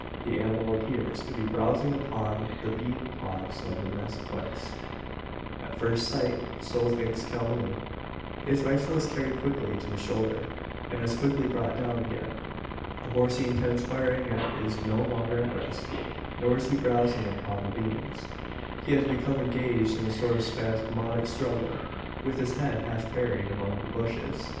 The animal appears to be browsing upon the bean pods of the mezquites. At first sight, so thinks Calhoun. His rifle is carried quickly to his shoulder, and as quickly brought down again. The horse he intends firing at is no longer at rest, nor is he browsing upon the beans. He has become engaged in a sort of spasmodic struggle with his head half buried among the bushes!